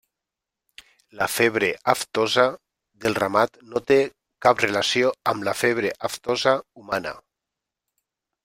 La febre aftosa del ramat no té cap relació amb la febre aftosa humana.